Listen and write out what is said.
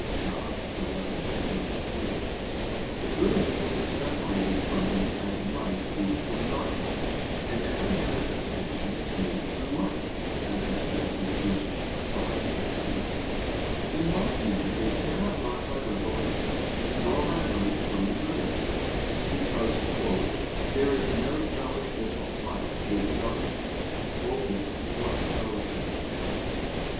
Dei xi, 33), the good angels are separated from them as light is from darkness; and every manifestation is made through light, as is said Eph. 5:13. In like manner they cannot learn by revelation, nor by learning from the good angels: because "there is no fellowship of light with darkness [*Vulg.: 'What fellowship hath